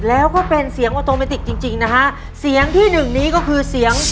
แล้วก็เป็นเสียงออโตเมติกจริงจริงนะฮะเสียงที่หนึ่งนี้ก็คือเสียง